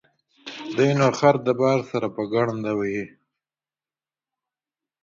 دى نو خر د باره سره په گڼده وهي.